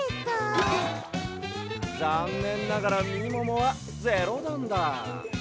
ざんねんながらみももはゼロだんだ。